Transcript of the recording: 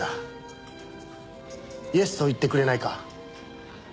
イエスと言ってくれないか？